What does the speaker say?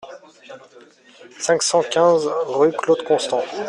cinq cent quinze rue Claude Constant